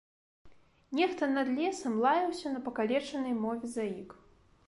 Нехта над лесам лаяўся на пакалечанай мове заік.